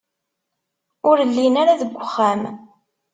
Ur llin ara deg uxxam.